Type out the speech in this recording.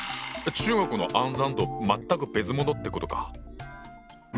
中国の「暗算」と全く別物ってことか。